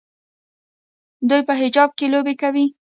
دوی په حجاب کې لوبې کوي.